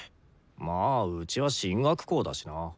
まあうちは進学校だしな。